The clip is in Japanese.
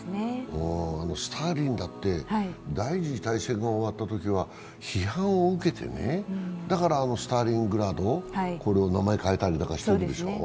スターリンだって、第二次大戦が終わったときは批判を受けて、だからあのスターリンググラード、これを名前を変えたりしているんでしょう。